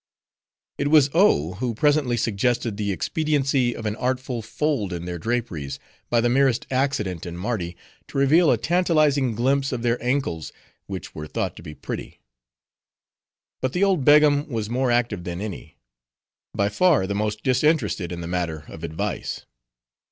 It was O who presently suggested the expediency of an artful fold in their draperies, by the merest accident in Mardi, to reveal a tantalizing glimpse of their ankles, which were thought to be pretty. But the old Begum was more active than any; by far the most disinterested in the matter of advice.